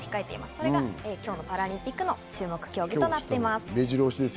これが今日のパラリンピックの注目競技となっています。